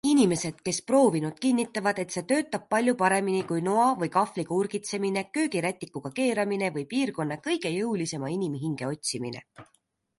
Inimesed, kes proovinud, kinnitavad, et see töötab palju paremini kui noa või kahvliga urgitsemine, köögirätikuga keeramine või piirkonna kõige jõulisema inimhinge otsimine.